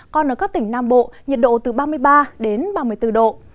còn ở các tỉnh nam bộ nhiệt độ từ ba mươi ba đến ba mươi bốn độ